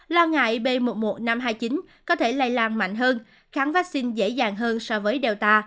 lo ngại b một mươi một nghìn năm trăm hai mươi chín có thể lây lan mạnh hơn kháng vaccine dễ dàng hơn so với delta